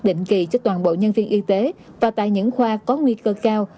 định kỳ cho toàn bộ nhân viên y tế và tại những khoa có nguy cơ cao